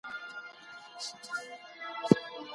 مهرباني وکړئ امتحان ته مخکې ویده شئ.